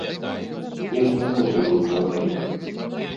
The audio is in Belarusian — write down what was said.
Вельмі мудры быў чалавек.